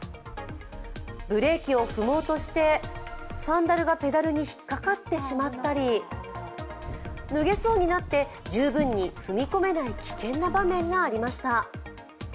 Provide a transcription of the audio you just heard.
ブレーキを踏もうとしてサンダルがペダルに引っかかってしまったり脱げそうになって十分に踏み込めない危険な場面がありました。